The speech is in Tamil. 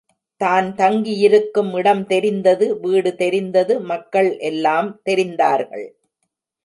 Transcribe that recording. தான் தங்கியிருக்கும் இடம் தெரிந்தது வீடு தெரிந்தது மக்கள் எல்லாம் தெரிந்தார்கள்.